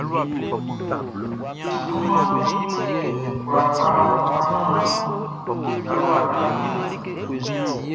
Anumanʼn kwlá faman ya waka kun wun le.